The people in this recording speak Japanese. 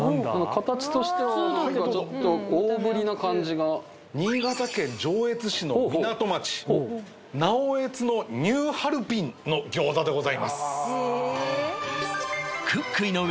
形としては何かちょっと大ぶりな感じが新潟県上越市の港町直江津のニューハルピンの餃子でございますクック井上。